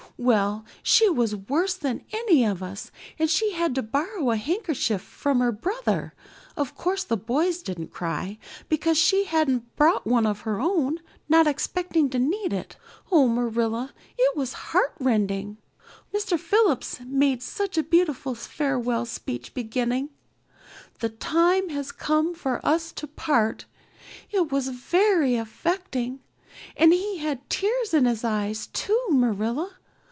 Well, she was worse than any of us and had to borrow a handkerchief from her brother of course the boys didn't cry because she hadn't brought one of her own, not expecting to need it. Oh, Marilla, it was heartrending. Mr. Phillips made such a beautiful farewell speech beginning, 'The time has come for us to part.' It was very affecting. And he had tears in his eyes too, Marilla.